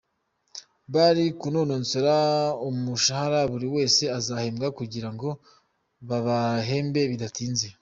Bari kunononsora umushahara buri wese azahembwa kugira ngo babahembe bidatinze.